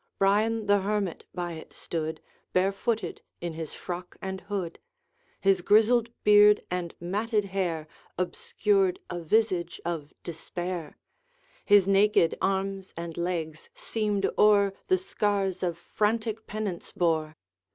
Brian the Hermit by it stood, Barefooted, in his frock and hood. His grizzled beard and matted hair Obscured a visage of despair; His naked arms and legs, seamed o'er, The scars of frantic penance bore.